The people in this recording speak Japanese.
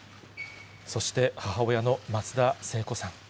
そして母親の松田聖子さん。